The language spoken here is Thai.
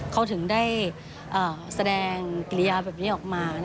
เขาถึงได้แสดงกิริยาแบบนี้ออกมา